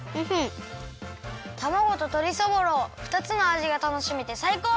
たまごととりそぼろふたつのあじがたのしめてさいこう！